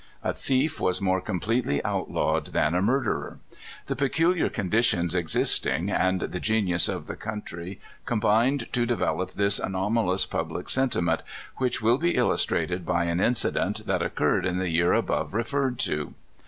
A thief was more completely outlawed than a murderer. The peculiar condi tions existing, and the genius of the country, com bined to develop this anomalous public sentiment, which will be illustrated by an incident that oc curred in the year above referred to.